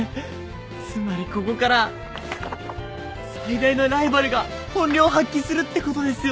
つまりここから最大のライバルが本領を発揮するってことですよね？